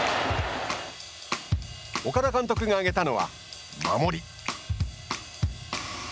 岡田監督が挙げたのは守り。